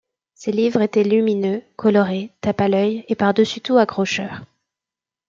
Ses livres étaient lumineux, colorés, tape-à-l'œil et par-dessus tout accrocheurs.